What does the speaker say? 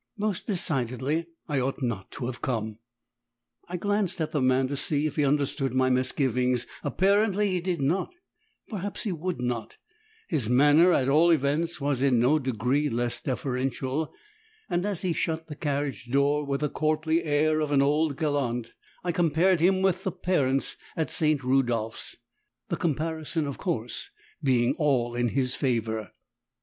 Most decidedly I ought not to have come! I glanced at the man to see if he understood my misgivings, apparently he did not; perhaps he would not; his manner at all events was in no degree less deferential, and as he shut the carriage door with the courtly air of an old gallant, I compared him with the parents at St. Rudolphs the comparison of course being all in his favour.